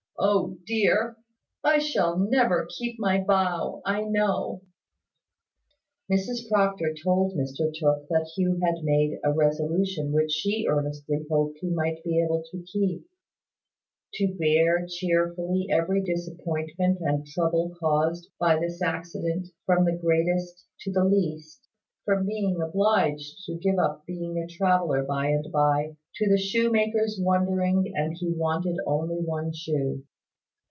O dear! I shall never keep my vow, I know." Mrs Proctor told Mr Tooke that Hugh had made a resolution which she earnestly hoped he might be able to keep; to bear cheerfully every disappointment and trouble caused by this accident, from the greatest to the least, from being obliged to give up being a traveller by and by, to the shoemaker's wondering that he wanted only one shoe.